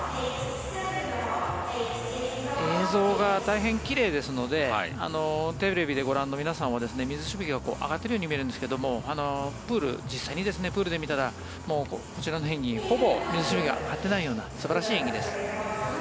映像が大変奇麗ですのでテレビでご覧の皆さんは水しぶきが上がっているように見えるんですけど実際にプールで見たらほぼ水しぶきが上がっていないような素晴らしい演技です。